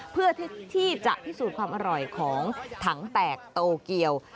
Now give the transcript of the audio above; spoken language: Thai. เพื่อที่จะพิสูจน์ความอร่อยของถังแตกโตเกียว